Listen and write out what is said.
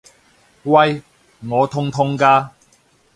喂！我痛痛㗎！